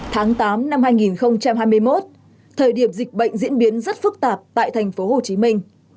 tháng tám năm hai nghìn hai mươi một thời điểm dịch bệnh diễn biến rất phức tạp tại thành phố hồ chí minh